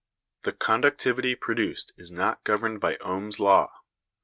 The conductivity produced is not governed by Ohm's law.